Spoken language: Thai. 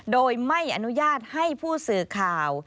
โดยไม่อนุญาตให้ผู้สื่อข่าว